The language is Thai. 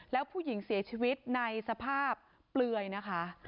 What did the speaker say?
แล้วผู้หญิงเสียชีวิตในสภาพเปลือยนะคะ